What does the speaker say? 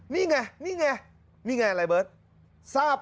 นี้ไงนี่ไงแบบไหนเบิร์บ